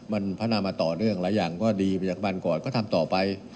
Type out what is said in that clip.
มันพัฒนามาต่อเนื่องหลายอย่างก็ดีไปจากบ้านก่อนก็ทำต่อไป